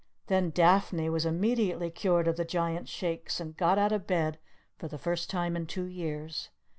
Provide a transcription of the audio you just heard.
Then Daphne was immediately cured of the Giant's Shakes, and got out of bed for the first time in two years.